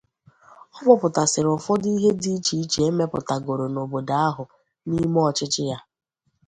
Ọ kpọpụtàsịrị ụfọdụ ihe dị iche iche e mepụtàgòrò n'obodo ahụ n'ime ọchịchị ya